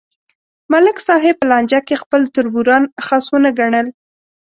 ملک صاحب په لانجه کې خپل تربوران خس ونه گڼل